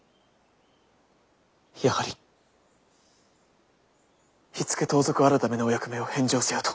やはり火付盗賊改のお役目を返上せよと。